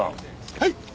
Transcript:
はい！